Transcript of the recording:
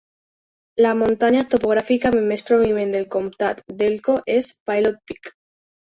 La muntanya topogràficament més prominent del comtat d'Elko és Pilot Peak.